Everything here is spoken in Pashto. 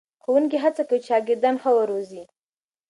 ښوونکي هڅه کوي چې شاګردان ښه وروزي.